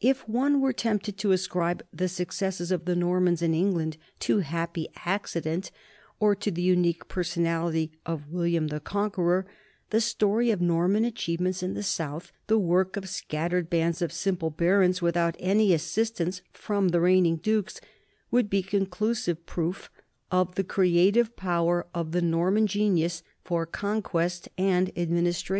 If one were tempted to ascribe the successes of the Normans in England to happy accident or to the unique personality of William the Conqueror, the story of Norman achieve ment in the south, the work of scattered bands of simple barons without any assistance from the reigning dukes, would be conclusive proof of the creative power of the Norman genius for conquest and administration.